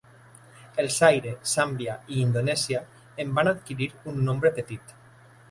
El Zaire, Zambia i Indonèsia en van adquirir un nombre petit.